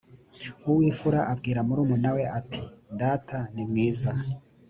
uw imfura abwira murumuna we ati data nimwiza